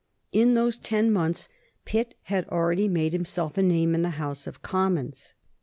In those ten months Pitt had already made himself a name in the House of Commons.